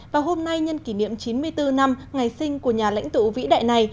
và hôm nay nhân kỷ niệm chín mươi bốn năm ngày sinh của nhà lãnh tụ vĩ đại này